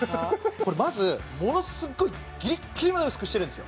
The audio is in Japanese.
これまずものすごいギリッギリまで薄くしてるんですよ